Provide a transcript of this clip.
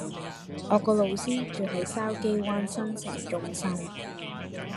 我個老師住喺筲箕灣新成中心